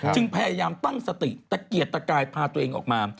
จึงพยายามตั้งสติตะเกียดตะกายพาตัวเองออกมา